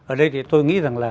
ở đây thì tôi nghĩ rằng là